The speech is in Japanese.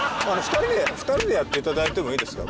２人でやっていただいてもいいですか？